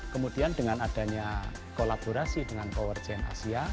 kemudian dengan adanya kolaborasi dengan power gen asia